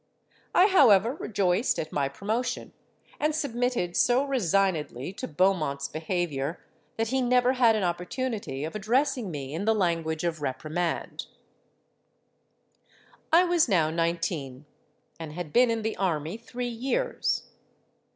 I however rejoiced at my promotion, and submitted so resignedly to Beaumont's behaviour that he never had an opportunity of addressing me in the language of reprimand. "I was now nineteen, and had been in the army three years.